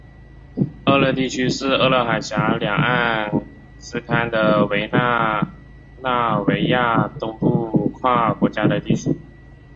厄勒地区是厄勒海峡两岸斯堪的纳维亚南部跨国家的地区。